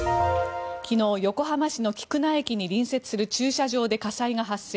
昨日、横浜市の菊名駅に隣接する駐車場で火災が発生。